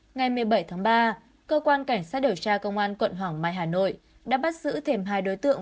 ngày một mươi bảy tháng ba cơ quan cảnh sát điều tra công an quận hoàng mai hà nội đã bắt giữ thêm hai đối tượng